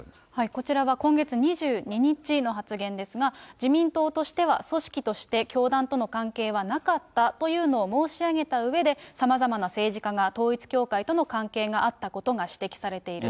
こちらは今月２２日の発言ですが、自民党としては、組織として教団との関係はなかったというのを申し上げたうえで、さまざまな政治家が統一教会との関係があったことが指摘されている。